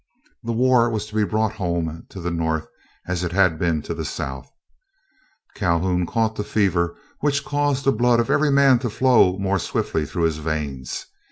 The war was to be brought home to the North as it had been to the South. Calhoun caught the fever which caused the blood of every man to flow more swiftly through his veins.